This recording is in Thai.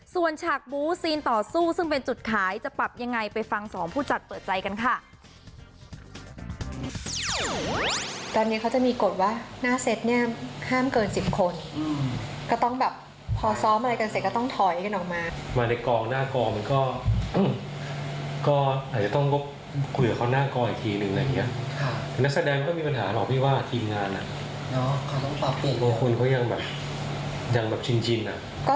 ส่วนฉากบูซีนต่อสู้ซึ่งเป็นจุดขายจะปรับยังไงไปฟังสองผู้จัดเปิดใจกันค่ะ